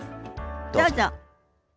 どうぞ。